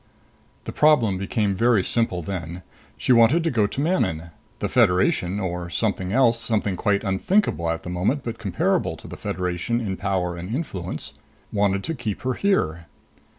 The problem became very simple then. She wanted to go to Manon. The Federation or something else, something quite unthinkable at the moment but comparable to the Federation in power and influence wanted to keep her here.